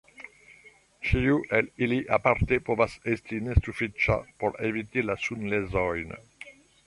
Ĉiu el ili aparte povas esti nesufiĉa por eviti la sunlezojn.